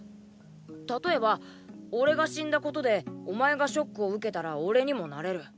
例えば俺が死んだことでお前がショックを受けたら俺にもなれる。